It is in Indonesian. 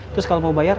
terus kalau mau bayar